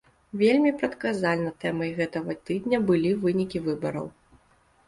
Вельмі прадказальна тэмай гэтага тыдня былі вынікі выбараў.